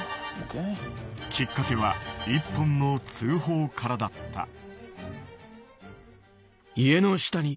きっかけは１本の通報からだった。